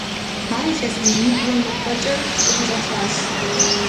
Ар илъэс минибгъурэ ныкъуэкӀэ щӀым щӀэлъащ.